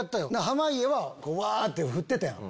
濱家はワって振ってたやん。